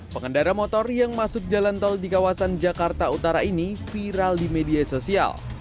pengendara motor yang masuk jalan tol di kawasan jakarta utara ini viral di media sosial